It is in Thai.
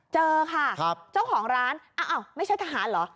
เจอค่ะเจ้าของร้านอ้าวไม่ใช่ทหารเหรอ